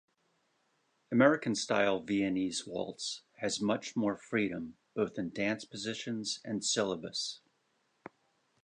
American Style Viennese Waltz has much more freedom, both in dance positions and syllabus.